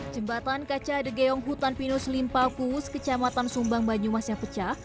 jembatan kaca degeong hutan pinus limpaus kecamatan sumbang banyumas yang pecah